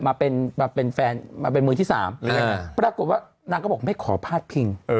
มาเป็นมาเป็นแฟนมาเป็นมือที่สามปรากฏว่านางก็บอกไม่ขอพาดพิง